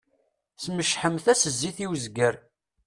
Smecḥemt-as zzit i wezger.